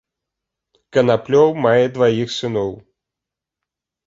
Канаплёў мае дваіх сыноў.